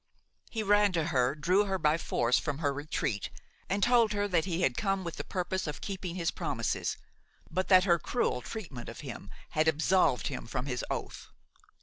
He ran to her; drew her by force from her retreat, and told her that he had come with the purpose of keeping his promises, but that her cruel treatment of him had absolved him from his oath.